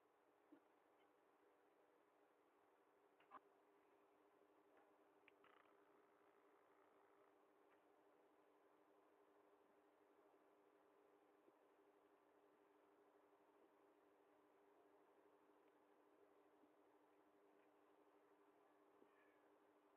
maji yaliyoambukizwa kutokana na wanyama walioathirika viini